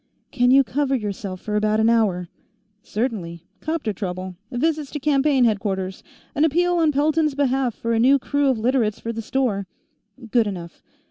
"Can you cover yourself for about an hour?" "Certainly. 'Copter trouble. Visits to campaign headquarters. An appeal on Pelton's behalf for a new crew of Literates for the store " "Good enough.